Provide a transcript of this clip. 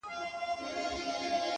نه بابا خبر نه يم” ستا په خيالورې لور”